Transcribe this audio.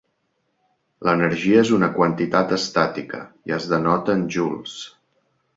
L'energia és una quantitat estàtica i es denota en Joules.